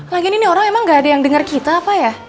lagi ini orang emang gak ada yang denger kita apa ya